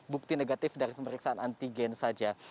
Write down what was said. bukti negatif dari pemeriksaan antigen saja